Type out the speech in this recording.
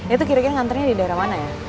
itu kira kira nganternya di daerah mana ya